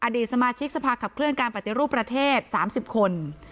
อดีตสมาชิกสภาขับเคลื่อนการปฏิรูปประเทศ๓๐คน